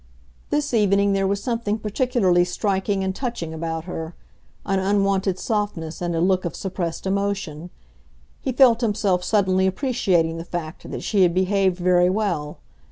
This evening there was something particularly striking and touching about her; an unwonted softness and a look of suppressed emotion. He felt himself suddenly appreciating the fact that she had behaved very well.